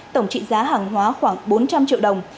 tổng trị giá hàng hóa khoảng bốn trăm linh triệu đồng